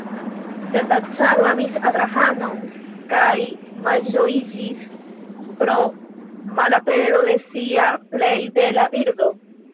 Sed la caro amis Adrahanon kaj malĝojiĝis pro malapero de sia plej bela birdo.